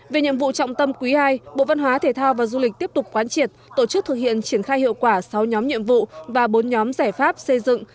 về nhiệm vụ trọng tâm quý ii bộ văn hóa thể thao và du lịch tiếp tục quán triệt tổ chức thực hiện triển khai hiệu quả sáu nhóm nhiệm vụ và bốn nhóm giải pháp xây dựng